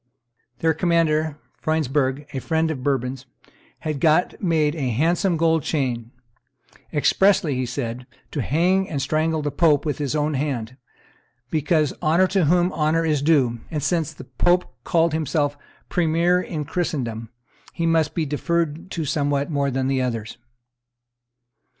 Their commander, Freundsberg, a friend of Bourbon's, had got made a handsome gold chain, "expressly," he said, "to hang and strangle the pope with his own hand, because 'honor to whom honor is due;' and since the pope called himself premier in Christendom, he must be deferred to somewhat more than others."